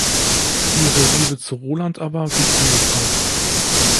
Ihre Liebe zu Roland aber gibt sie nicht auf.